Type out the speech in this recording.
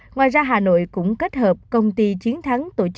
ngoài ra hà nội cũng kết hợp công ty chiến thắng tổ chức loại hình